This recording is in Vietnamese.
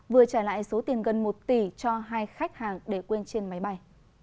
vừa trả lại số tiền gần một tỷ cho hai khách hàng để quên trên máy bay